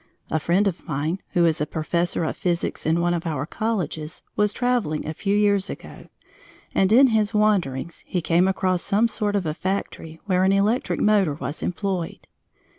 A friend of mine, who is a professor of physics in one of our colleges, was traveling a few years ago, and in his wanderings he came across some sort of a factory where an electric motor was employed.